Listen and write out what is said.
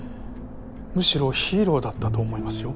むしろヒーローだったと思いますよ。